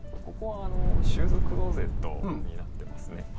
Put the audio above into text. ここはシューズクローゼットになってますね。